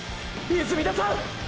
泉田さん！！